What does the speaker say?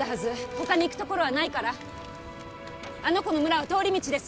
他に行く所はないからあの子の村は通り道です